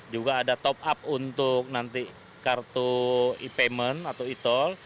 juga ada top up untuk nanti kartu e payment atau e tol